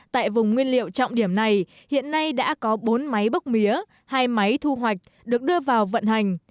tại vùng nguyên liệu trọng điểm này hiện nay đã có bốn máy bốc mía hai máy thu hoạch được đưa vào vận hành